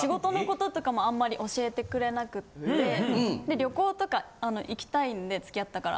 旅行とか行きたいんで付き合ったから。